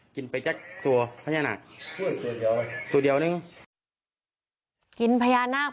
กินไปแจบตัวพญานาค